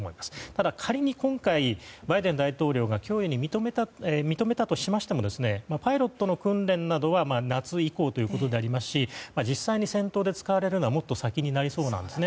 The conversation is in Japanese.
ただ、仮に今回バイデン大統領が供与を認めたとしましてもパイロットの訓練などは夏以降ということでありますし実際に戦闘で使われるのはもっと先になりそうなんです。